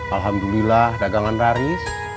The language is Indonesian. alhamdulillah dagangan raris